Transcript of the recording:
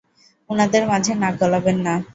উনাদের মাঝে নাক গলাবেন না!